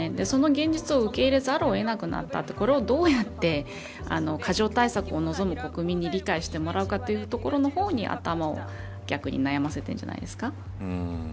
その現実を受け入れざるを得なくなったところこれをどうやって過剰対策を望む国民に理解してもらうかということの方に頭を逆に悩ませているんじゃないですか。